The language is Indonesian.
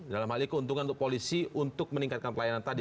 dalam hal ini keuntungan untuk polisi untuk meningkatkan pelayanan tadi